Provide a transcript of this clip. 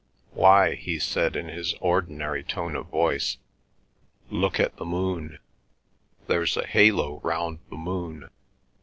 "Why," he said, in his ordinary tone of voice, "look at the moon. There's a halo round the moon.